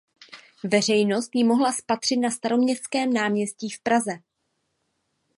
Veřejnost ji mohla spatřit na Staroměstském náměstí v Praze.